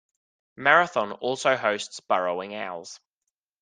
Marathon also hosts burrowing owls.